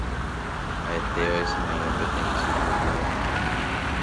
ha'etévaicha oĩva peteĩ chejuvýva